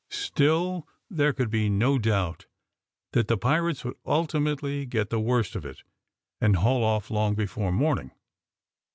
Still there could be no doubt that the pirates would ultimately get the worst of it, and haul off long before morning.